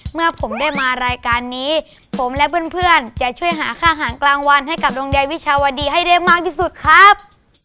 เมื่อผมได้มารายการนี้ผมและเพื่อนจะช่วยหาค่าอาหารกลางวันให้กับดวงใยวิชาวดีให้ได้มากที่สุดครับ